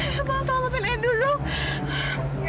tuhan selamatkan ido dong